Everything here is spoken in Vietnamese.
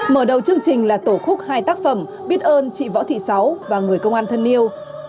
mở đầu chương trình là tổ khúc hai tác phẩm biết ơn chị võ thị sáu và người công an thân yêu